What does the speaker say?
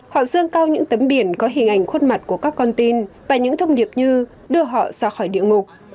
họ dương cao những tấm biển có hình ảnh khuôn mặt của các con tin và những thông điệp như đưa họ ra khỏi địa ngục